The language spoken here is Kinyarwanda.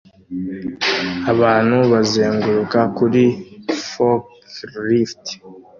Abantu bazenguruka kuri forklift